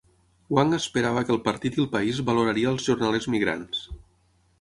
Wang esperava que el partit i el país valoraria els jornalers migrants.